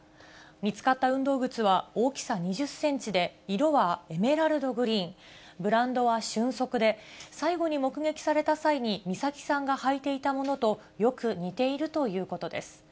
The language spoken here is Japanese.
見つかった運動靴は大きさ２０センチで、色はエメラルドグリーン、ブランドは瞬足で、最後に目撃された際に美咲さんが履いていたものと、よく似ているということです。